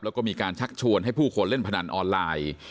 แล้วก็มีการชักชวนให้ผู้คนเล่นพนันออนไลน์